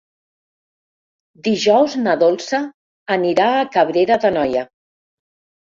Dijous na Dolça anirà a Cabrera d'Anoia.